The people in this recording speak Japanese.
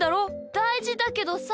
だいじだけどさ。